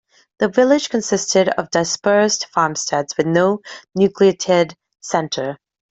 The village consisted of dispersed farmsteads, with no nucleated centre.